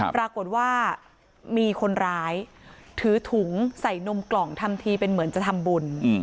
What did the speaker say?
ปรากฏว่ามีคนร้ายถือถุงใส่นมกล่องทำทีเป็นเหมือนจะทำบุญ